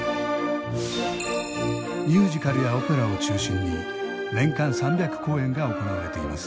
ミュージカルやオペラを中心に年間３００公演が行われています。